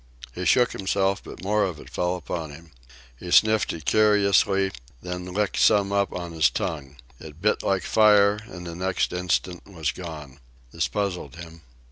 He shook himself, but more of it fell upon him. He sniffed it curiously, then licked some up on his tongue. It bit like fire, and the next instant was gone. This puzzled him.